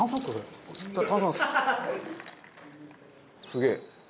すげえ。